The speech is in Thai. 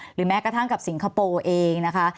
แม้กระทั่งกับสิงคโปร์เองนะคะ